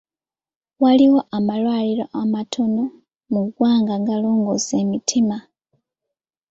Waliwo amalwaliro matono mu ggwanga agalongoosa emitima.